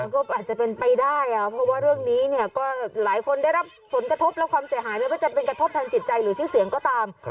ก็อาจจะเป็นไปได้เพราะว่าเรื่องนี้เนี่ยก็หลายคนได้รับผลกระทบและความเสียหายไม่ว่าจะเป็นกระทบทางจิตใจหรือชื่อเสียงก็ตาม